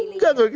oh enggak juga